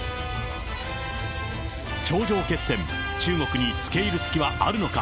頂上決戦、中国につけいる隙はあるのか。